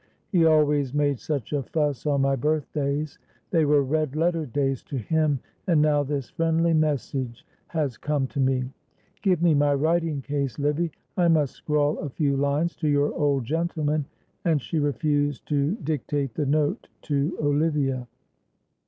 He always made such a fuss on my birthdays; they were red letter days to him, and now this friendly message has come to me. Give me my writing case, Livy. I must scrawl a few lines to your old gentleman," and she refused to dictate the note to Olivia.